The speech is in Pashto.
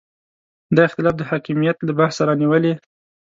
دا اختلاف د حکمیت له بحثه رانیولې.